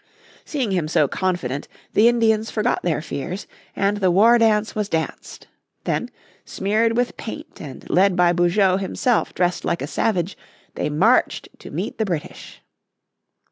Seeing him so confident the Indians forgot their fears, and the war dance was danced. Then, smeared with paint and led by Beaujeu himself dressed like a savage, they marched to meet the British.